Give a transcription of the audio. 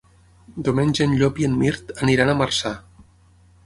Diumenge en Llop i en Mirt aniran a Marçà.